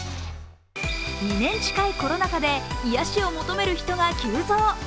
２年近いコロナ禍で癒やしを求める人が急増。